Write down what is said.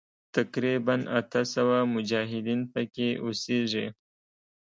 تقریباً اته سوه مجاهدین پکې اوسیږي.